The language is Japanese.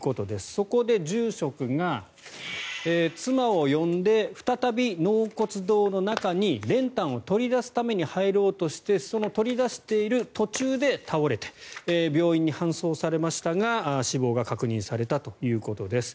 そこで住職が妻を呼んで再び納骨堂の中に練炭を取り出すために入ろうとしてその取り出している途中で倒れて病院に搬送されましたが死亡が確認されたということです。